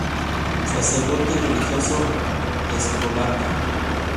Sacerdote y religioso escolapio.